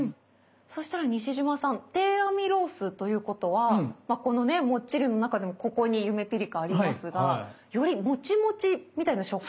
そしたら西島さん低アミロースということはこのねもっちりの中でもここにゆめぴりかありますがよりモチモチみたいな食感。